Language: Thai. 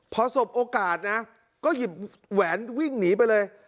พอสบโอกาสนะก็หยิบแหวนวิ่งหนีไปเลย